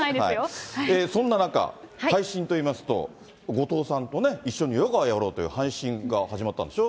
そんな中、配信といいますと、後藤さんと一緒にヨガをやろうという配信が始まったんでしょ？